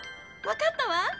わかったわ！